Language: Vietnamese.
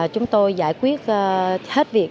chúng tôi giải quyết hết việc